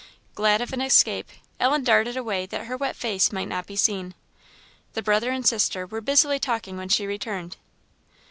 Glad of an escape, Ellen darted away that her wet face might not be seen. The brother and sister were busily talking when she returned.